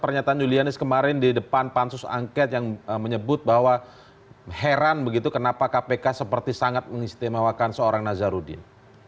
pernyataan julianis kemarin di depan pansus angket yang menyebut bahwa heran begitu kenapa kpk seperti sangat mengistimewakan seorang nazarudin